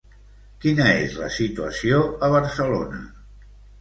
Quina és la situació a Barcelona?